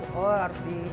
oh harus dibuka ya